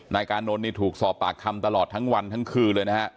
นายกานนนถูกสอบปากคำตลอดทั้งวันทั้งคือเลย